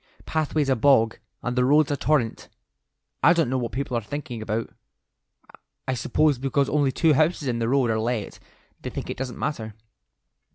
Pathway's a bog, and the road's a torrent. I don't know what people are thinking about. I suppose because only two houses in the road are let, they think it doesn't matter."